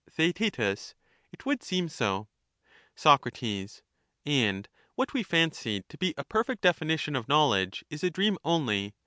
Theaet. It would seem so. Soc, And what we fancied to be a perfect definition of knowledge is a dream only.